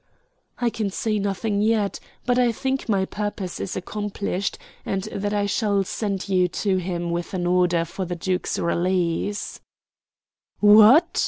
"I can say nothing yet; but I think my purpose is accomplished, and that I shall send you to him with an order for the duke's release." "What!"